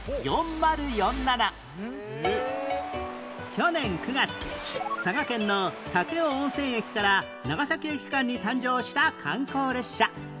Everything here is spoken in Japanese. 去年９月佐賀県の武雄温泉駅から長崎駅間に誕生した観光列車